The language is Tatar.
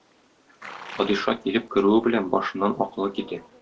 Падиша килеп керүе белән башыннан акылы китә.